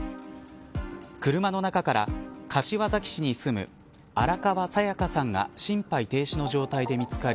車の中から柏崎市に住む荒川紗夜嘉さんが心肺停止の状態で見つかり